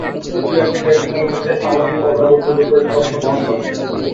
এ প্রক্রিয়াটি ব্যাটিং ইনিংসের স্বাভাবিক অগ্রগতির বৈপরীত্য অর্থ বহন করে।